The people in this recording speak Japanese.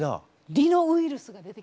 梨乃ウイルスが出てきました。